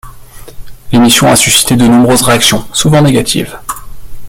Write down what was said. L'émission a suscité de nombreuses réactions, souvent négatives.